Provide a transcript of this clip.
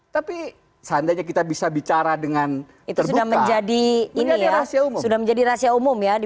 tapi seandainya kita bisa bicara dengan itu sudah menjadi ini ya sudah menjadi rahasia umum ya di